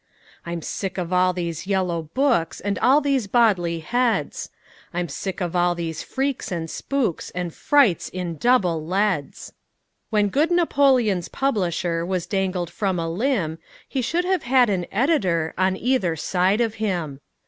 I'm sick of all these Yellow Books, And all these Bodley Heads; I'm sick of all these freaks and spooks And frights in double leads. When good Napoleon's publisher Was dangled from a limb, He should have had an editor On either side of him.